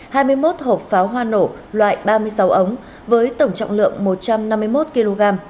hai mươi một hộp pháo hoa nổ loại ba mươi sáu ống với tổng trọng lượng một trăm năm mươi một kg